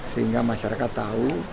sehingga masyarakat tahu